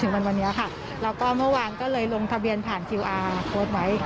คืออยากให้เขามาตั้งต้นเช่าเลยไหม